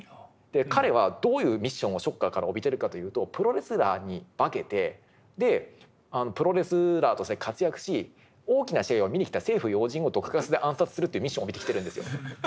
彼はどういうミッションをショッカーから帯びてるかというとプロレスラーに化けてでプロレスラーとして活躍し大きな試合を見に来た政府要人を毒ガスで暗殺するというミッションを帯びてきてるんですよ。